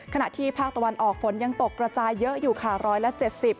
ขณะที่ภาคตะวันออกฝนยังตกกระจายเยอะอยู่ค่ะ๑๗๐